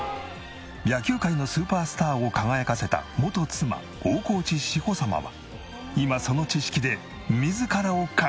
野球界のスーパースターを輝かせた元妻大河内志保様は今その知識で自らを輝かせていた。